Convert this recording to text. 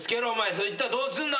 それいったらどうすんだ？